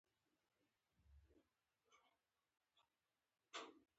د ګلونو باغ طبیعت ته ښکلا ورکوي.